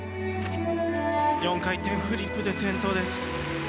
４回転フリップで転倒です。